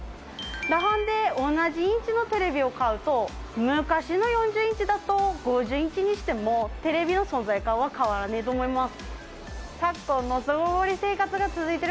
だはんで同じインチのテレビを買うと昔の４０インチだと５０インチにしてもテレビの存在感は変わらねえと思います。